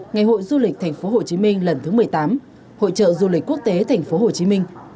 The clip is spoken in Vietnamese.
ngày hội du lịch tp hcm lần thứ một mươi tám hội trợ du lịch quốc tế tp hcm